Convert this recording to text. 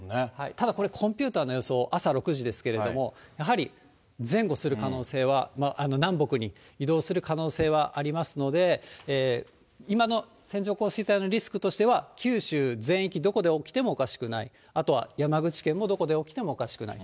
ただこれ、コンピューターの予想、朝６時ですけれども、やはり前後する可能性は、南北に移動する可能性はありますので、今の線状降水帯のリスクとしては、九州全域どこで起きてもおかしくない、あとは山口県もどこで起きてもおかしくない。